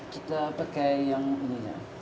kita pakai yang ininya